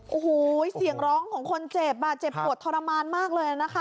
โอ้โหเสียงร้องของคนเจ็บอ่ะเจ็บปวดทรมานมากเลยนะคะ